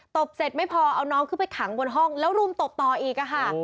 ตบเสร็จไม่พอเอาน้องขึ้นไปขังบนห้องแล้วรุมตบต่ออีกค่ะ